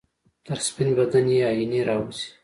تر سپین بدن یې آئینې راوځي